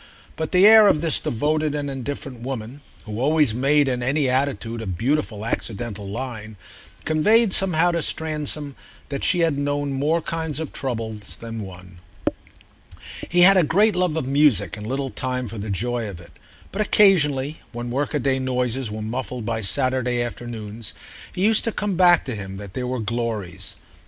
But the air of this devoted and indifferent woman, who always made, in any attitude, a beautiful accidental line, conveyed somehow to Stransom that she had known more kinds of trouble than one. He had a great love of music and little time for the joy of it; but occasionally, when workaday noises were muffled by Saturday afternoons, it used to come back to him that there were glories.